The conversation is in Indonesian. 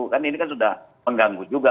kan ini kan sudah mengganggu juga